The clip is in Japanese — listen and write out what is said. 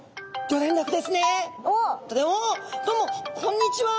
どうもこんにちは！